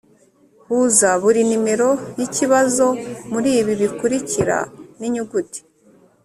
huza buri nimero y’ikibazo muri ibi bikurikira n’inyuguti